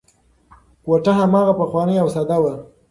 کوټه هماغه پخوانۍ او ساده وه.